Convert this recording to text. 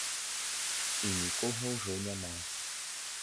І нікога ўжо няма.